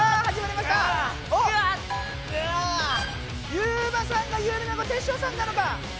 ユウマさんがゆうりなのかテッショウさんなのか。